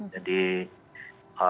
jadi kita pantau terus